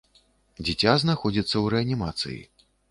Дзіця знаходзіцца ў рэанімацыі.